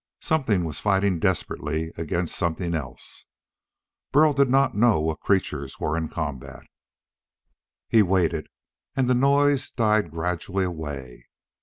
Something was fighting desperately against something else, but Burl did not know what creatures were in combat. He waited, and the noise died gradually away.